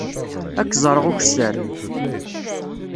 Ad k-ẓreɣ ukessar.